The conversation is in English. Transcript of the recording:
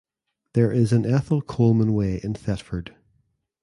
There is an Ethel Colman Way in Thetford.